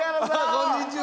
こんにちは！